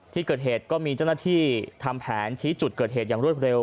ที่เกิดเหตุก็มีเจ้าหน้าที่ทำแผนชี้จุดเกิดเหตุอย่างรวดเร็ว